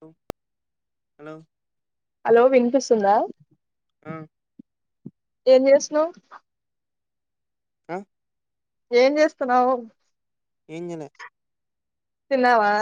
లో hello hello వినిపిస్తుందా అ ఏం చేస్తున్నావ్ ఆహ్ ఏం చేస్తున్నావ్ ఏంజెలే తిన్నావా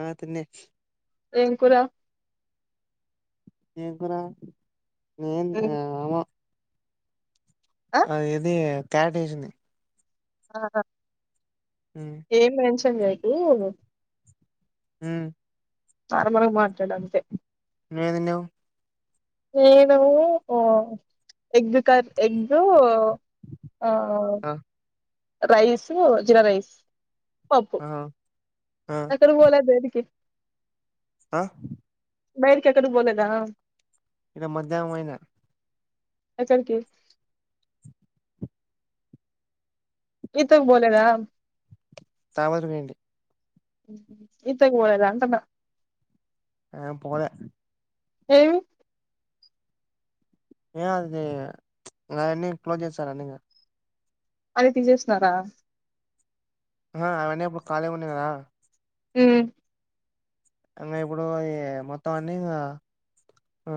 ఆ తిన్నిచ్ ఏం కూర ఏం కూర ఏం ఆ ఉమ్, ఏమో ఆ అది ఏది క్యారెట్ వేసింది ఆహా ఉమ్ ఏం మెన్షన్ చేయకు ఉ ఆడ గుడా మాట్లాడంతే నువ్వేంతిన్నవ్ నేను ఓ ఎగ్ కర్ ఎగ్గు అ ఆ రైసు జీరా రైస్ ఆ ఆ ఎక్కడ బోలాబయటకి ఆ బైట్కి కెక్కడకి బోలేద ఇడ మధ్యాహ్నం పొయినా ఎక్కడకి ఈతక్ పొలేద తరవాత పోయిండు ఇంతకి పోలేదా అంటన ఆ పోలే ఏమ్ ఏ అది ఇవన్ని క్లోజ్ చేస్తారంట ఇక అవి తీసేస్తున్నారా ఆ అవన్నీ ఇప్పుడు ఖాళీగా ఉన్నాయి కదా ఉమ్మ్ మరి ఇప్పుడు ఈ మొత్తం అన్నీ ఇకా ఆ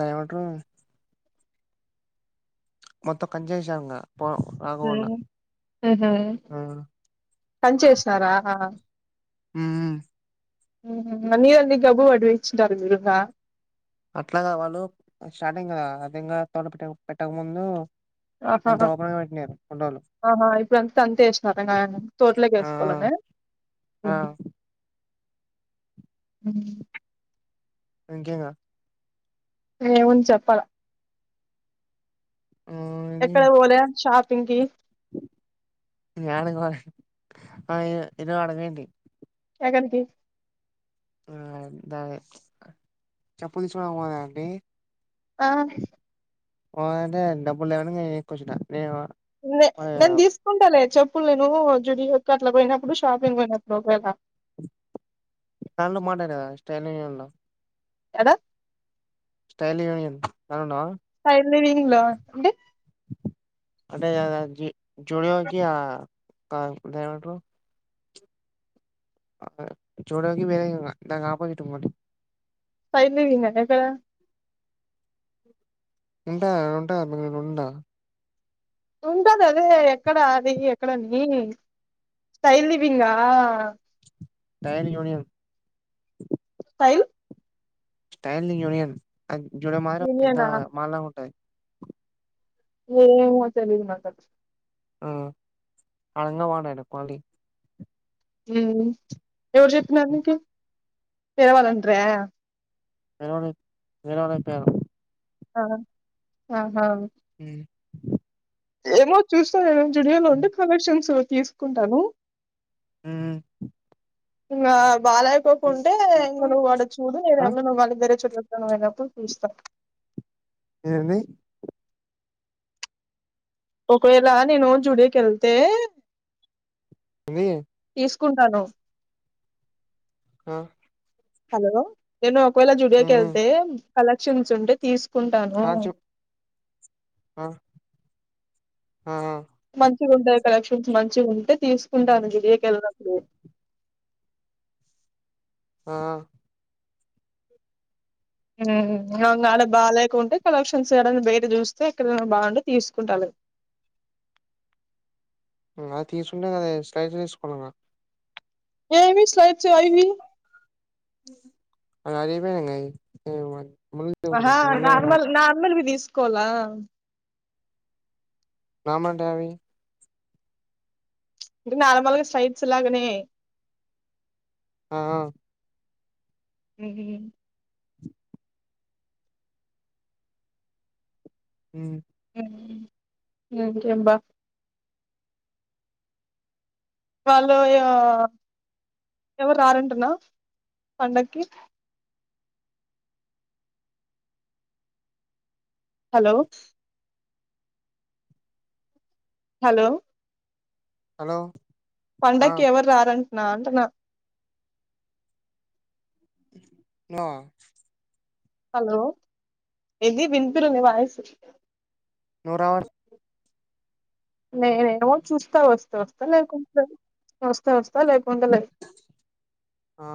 దయమంటారు మొత్తం కంచేసం ఇంగా పో రాకోకుండా ఉహు కంచేసినారా మ్ మ్ మీరెంది [unintelligible] అట్లా కాద్ వాళ్ళు స్టార్టింగ్ కదా అదింగా తోటపిటక్ పెట్టక ముందు ఆహా అంత ఓపెన్ గా పెట్టినారు ఫోటోలు ఆహా ఇప్పుడంతా అంత ఏసినర ఆ తోటలోకేసుకోవాలన ఆ ఉ ఇంకేంగా ఏఉంది చెప్పాల ఎక్కడికి పోలేద షాపింగ్ కి యాడికో ఆ ఇదో ఆడగంటి ఎక్కడికి న్ అదే చెప్పుల తీసుకోడంనికి పోదా అండి ఆ అంటే డబ్బులు లేవని ఎక్కి వచ్చిన నేను నే నేను తీసుకుంటాలే చెప్పు అప్పుడు నేను జూడియోకి అట్లా పోయినప్పుడు షాపింగ్ పోయినప్పుడు ఒక వేళ తను మాట్లాడే ఇస్తంగానే అన్న ఎడ ఫ యూనిన్ బాగున్నావా [unintelligible] అంటే అంటే జూడియోకి ఆ దాన్ని ఏమంటారు చూడకి వేరా దాని ఆపోజిట్ ఇంకొకటి పైలేవినా ఆక్కడ ఉంటా ఉంటా నేను ఉంట ఉంటది అదే ఎక్కడ అది ఎక్కడ అని సైల్ దీపింగా టైని యూనియన్ ఫైవ్ స్టైలింగ్ యూనియన్ అది జుడే మాదిరి పెద్ద యూనియనా మాల్ లాగా ఉంటది ఏమో తెలియదున్నాకదు ఆ అనంగ వాడ ఎడ కోలి ఎవరు చెప్పినారు నీకి తెరవాలంటారే వేరవని వేరన పేరు ఆ ఆహా అ ఏమో చూస్తాను నేను జూడియోలో ఉంటే కలెక్షన్స్ తీసుకుంటాను ఊ ఇంకా బాలాకోకుంటే ఇంగ నువ్వు ఆడ చూడు ఆ ఏదమన్నా నువ్వు వాళ్ళ దగర చట్ పోయినప్పుడు చూస్తా ఏన్ని ఒకవేళ నేను జ్యూడియోకి వెళ్తే అ తీసుకుంటాను ఆ హలో నేను ఒకవేళ జుడియోకి మ్మ్ వెళ్తే కలెక్షన్స్ ఉంటే తీసు కుంటాను ఆ చెప్ ఆ ఆ మంచిగ ఉంటాయి కలెక్షన్స్ మంచిగ ఉంటే తీసుకుంటాఅనింది గిరియకెళ్ళద ఆ అంగాల బాలేద్ కుంటే కలెక్షన్స్ బయట చూస్తే ఇక్కడ బాగుంటే తీసుకుంటాల అది తీసుంటే కద స్లైడ్ తీసుకోంగా ఏవి స్లాయిడ్స్ ఆయివి అరిగిపోయినాయి ఇంగా ఆహా నార్మల్ నార్మల్వి తీసుకోవాల్ల రామంటయావి నార్మల్గా స్ట్రైట్స్ లాగనే ఆ హ అ ఇంకేం బ వాళ్ళయో ఎవరు రారంటనా పండక్కి హలో హలో హలో ఆ పండగకి ఎవరు రారంటనా అంటనా న్నావ హలో ఏంది వినిపిలే నీ వాయిసు నూరావర్ నేనా మో చూస్తా వస్తా వస్తా లేకుంటే లేదు వస్తా వస్తా లేకు ఉండలే ఆ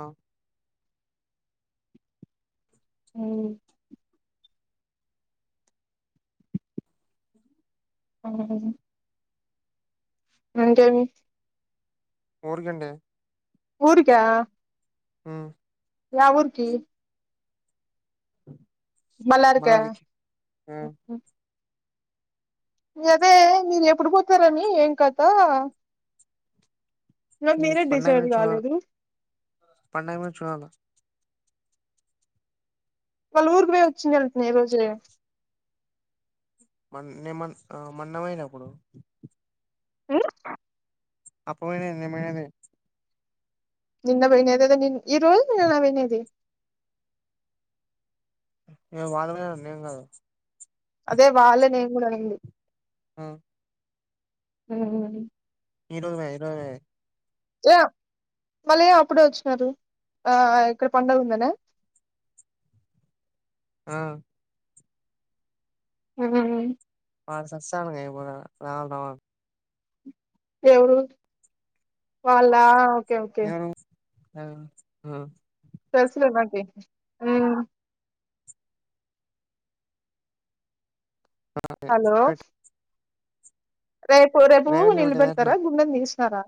హ్మ్ అ ఇంకేమి మరు గంటే ఊరికా ఆ యా ఊరికి మల్లారిక మళ్ళ అరికి ఆ అదే మీరు ఎప్పుడు పోతారని ఏం కథ నా ఈ మీరే డిసైడ్ పండగని చూడ కాలేదు పండగని చూడాల వాళ్ళ ఊరుకు పోయి వచ్చినారు అంటేనే ఈరోజు నేను మ నే మ మన్న పోయినప్పుడు ఉ అప్పు [unintelligible] నిన్న పోయినది అద నిన్న ఈ రోజు నిన్న వెయినది ఏ వాళ్ళు పోయినారు నేనె ఏం కాదు అదే వాళ్లె నేను కూడా అనింది ఆ ఉ ఈరోజు పోయి ఈరోజే క మళ్ళీ ఏం అప్పుడే వచ్చినారు ఆ ఇక్కడ పండగ ఉందనా ఆ హలో అండి [unintelligible] రావాలా రావాలా ఎవరు వాల్ల ఓకే ఓకే ఎవరు ఆ ఆ తెల్సులే నాకి ఉమ్ హలో! పెట్ రేపు రేపు రేవతి పెట్టేది అట్నా నిలబెడ్తారా గుండం తీస్తారా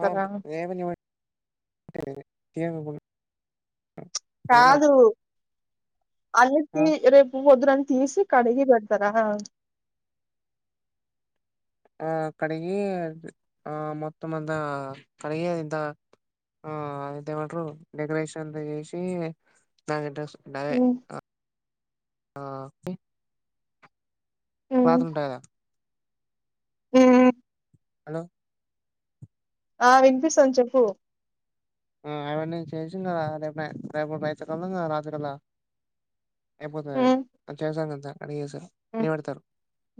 ఆ రేపు [unintelligible] కాదు. ఆ అలికి రేపు వద్దునన్ తీసి కడిగి పెడ్తరా? ఆ కడిగి ఆ మొత్తమంతా కడిగేదా ఆ అయితే ఏమంటారు డెకరేషన్లు చేసి దానికి [inaudible] డయే అ ఆ ఇ పాత్రులుంటాయి గదా హ్మ్ హలో! ఆ విన్పిస్తాంది చెప్పూ అవునే చేసినవా రేపు రేపు రైతు కలా ఉంది రాత్రికలా అయిపోతదది చేసాం అంతా కడిగేసారు లీవ్ పెడ్తరు.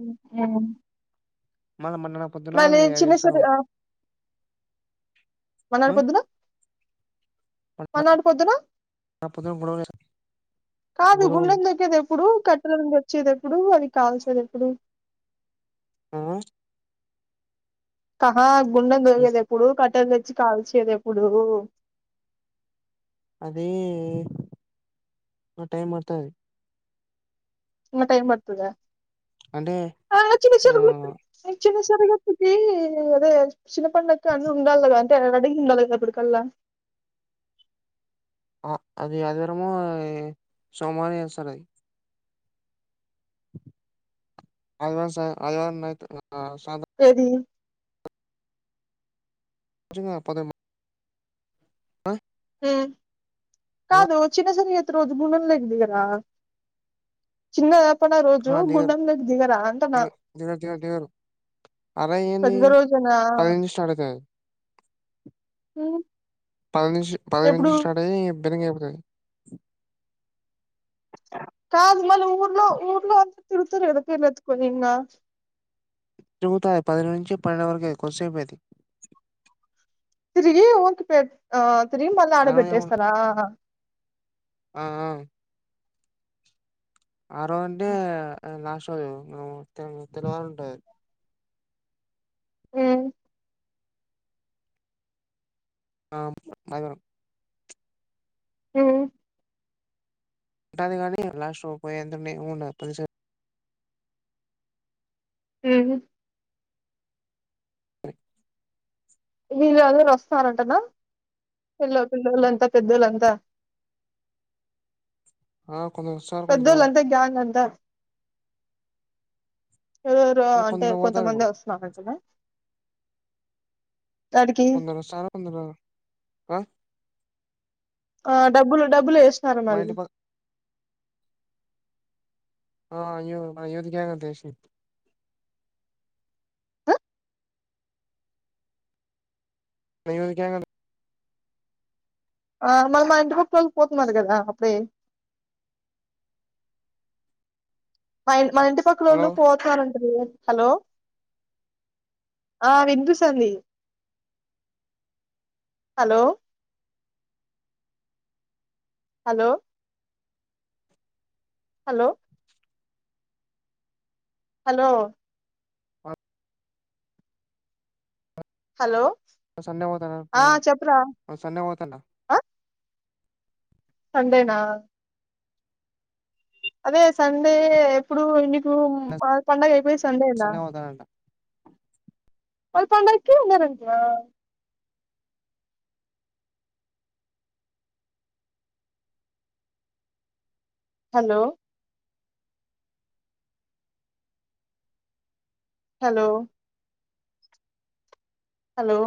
మ్ ఏముం మనం మన్నణ పొద్దున్న అవి ఏ సరి ఏసాము. ఆ అ మల్నాడు పొద్దున్న ఆ పొద్దున్న గొడవ పెట్ కాదు గుండం దొక్కేదెప్పుడు? కట్టెలన్ వచ్చేదెప్పుడు అవి కాల్చేదెప్పుడు? ఆ కహా గుండం ఏ- దోగేదెప్పుడు కట్ ట్టెల్ తెచ్చి కాల్చేదెప్పుడూ అదీ టైం పడ్తది. ఇంక టైమ్ పడ్తదా అంటే ఆ చిన్న [unintelligible] జరగచ్చుతీ అదే చిన్న పండక్కి అన్న ఉండాల్ గదా అని టే ఆడ అడిగిందా లేదా రేపటి కల్లా ఆ అది అదివారము, సోమవారం చేస్తరయ్యి. ఆదివారం సా ఆదివారం నైట్ రా రెడీ మంచిగ పోదామా ఆ మ్ హలో కాదు చిన్న సర్గత్ త్ రోజు గుండంలోకి దిగరా చిన్నా పండగ రోజు ఆ దిగరు గుండంలోకి దిగరా అంటనా దిగ దిగరు దిగరు దిగరు అరే ఏంది పెద్ద రోజునా పది నుంచి స్టార్ట్ అయితది మ్ పది నుంచి పది నుంచి స్టార్ట్ అయ్యి ఎబ్డెనింగ్ అయిపోతుంది కాదు మళ్ళీ ఊర్లో ఊర్లో అంత తిరుగుతార్ గదా పిరీల్ ఎత్తుకొని ఇన్న [inaudible] తిరుగుతాయి అయి పది నుంచి పన్నెండు వరకే కొద్సేపే అది తిరిగి ఊత్ పెట్ ఆ తిరిగి మళ్ళ ఆడ ఆ రోజు ఏముం పెట్టేస్తారా ఆ ఆ రోజు అంటే లాస్ట్ రోజు తెలివారు ఉంట హుమ్ ఆ బయవన ఉహు ఉంటాది కానీ లాస్ట్ పోయి ఎందునే ఉండదు పనిస హుమ్ వీళ్ళు అందరు వస్తారంటనా పిల పిల్లలంతా పెద్దళ్లంతా ఆ కొందరు వస్తారు కొందరు పెద్దోల్ రారు అంతా గ్యాంగ్ అంతా రు ఇంగ అంటే కొందరు పోతారు కొంతమంది ఇప్పుడు వస్తున్నారంటనా దానికి కొందరు వస్తారు కొందరు రారు ఆ డబ్బులు డబ్బులు ఏసిన్నార మా ఇంటి మళ్ళీ పక్క ఆ అయ్యో అయ్యోదగాంగ దషయం మీవోనికి ఆ మరి మా ఇంటికి వాలు పోతున్నారు కదా అప్పుడే మన ఇంటి హలో పక్కనోళ్ళు పోతనంటరు హలో ఆ వినిపిస్తాంది హలో హలో హలో హలో అ హలో సండే పోతాడంట్న ఆ చెప్పురా ఆ సండే పోతన్న ఆ సండేనా అదే సండే ఎప్పుడు ఇ ఇ పండగయిపోయి సండేనా సండే పోతానంట వాళ్ళు పండక్కి ఉండారంటనా హలో హలో హలో